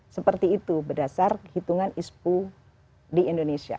seperti itu berdasar hitungan ispu di indonesia